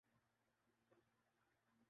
یوں مشروب محض دومنٹوں میں حاصل ہوجاتا ہے۔